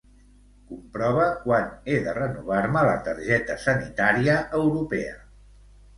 Comprova quan he de renovar-me la targeta sanitària europea.